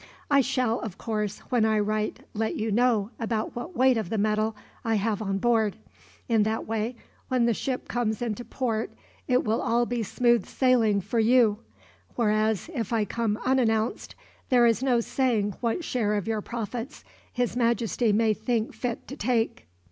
I shall, of course, when I write let you know about what weight of the metal I have on board. In that way, when the ship comes into port all will be smooth sailing for you; whereas if I come unannounced, there is no saying what share of your profits his majesty may think fit to take."